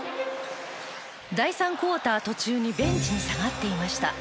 第３クオーター途中にベンチに下がっていました。